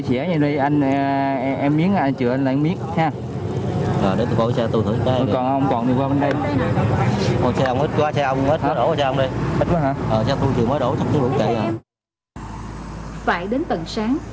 phải đến tận sáng